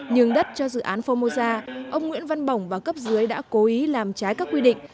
nhường đất cho dự án formosa ông nguyễn văn bỏng và cấp dưới đã cố ý làm trái các quy định